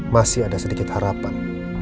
masih ada sedikit harapan